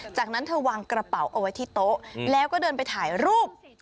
จากนั้นเธอวางกระเป๋าเอาไว้ที่โต๊ะแล้วก็เดินไปถ่ายรูป